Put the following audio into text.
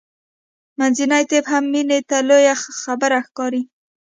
منځنی طب هم مینې ته لویه خبره ښکارېده